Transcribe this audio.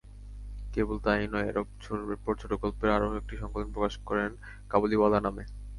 কেবল তা-ই নয়, এরপর ছোটগল্পের আরও একটি সংকলন প্রকাশ করেন কাবুলিওয়ালা নামে।